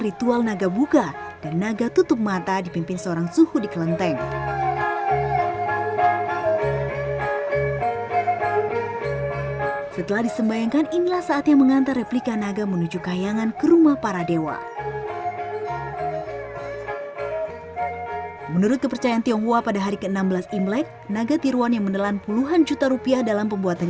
ritual bakar naga tradisi yang dulu sempat dilarang namun kini bebas dirayakan kembali